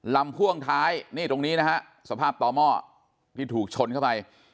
พ่วงท้ายนี่ตรงนี้นะฮะสภาพต่อหม้อที่ถูกชนเข้าไป